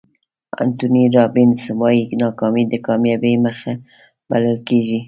انتوني رابینز وایي ناکامي د کامیابۍ مخ بلل کېږي.